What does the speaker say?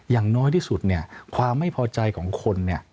อย่างน้อยที่สุดเนี่ยความไม่พอใจของคนเนี่ย